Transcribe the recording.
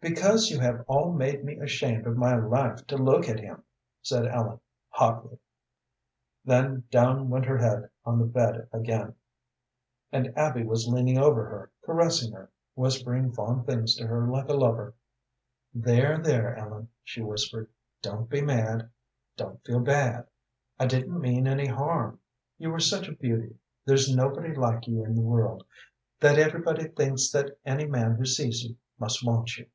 "Because you have all made me ashamed of my life to look at him," said Ellen, hotly. Then down went her head on the bed again, and Abby was leaning over her, caressing her, whispering fond things to her like a lover. "There, there, Ellen," she whispered. "Don't be mad, don't feel bad. I didn't mean any harm. You are such a beauty there's nobody like you in the world that everybody thinks that any man who sees you must want you."